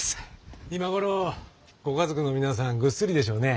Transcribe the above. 今頃ご家族の皆さんぐっすりでしょうね。